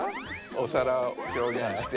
おさらを表現して。